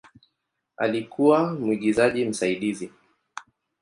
Alikuwa mwigizaji msaidizi.